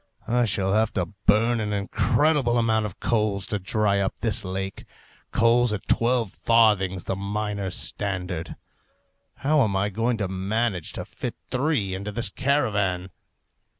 I shall have to burn an incredible amount of coals to dry up this lake coals at twelve farthings the miners' standard! How am I going to manage to fit three into this caravan?